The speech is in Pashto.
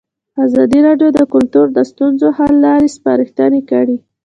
ازادي راډیو د کلتور د ستونزو حل لارې سپارښتنې کړي.